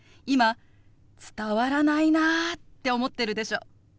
今伝わらないなって思ってるでしょ？